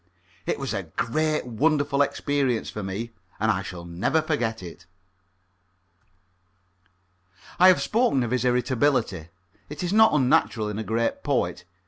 It was a great a wonderful experience for me, and I shall never forget it. I have spoken of his irritability. It is not unnatural in a great poet.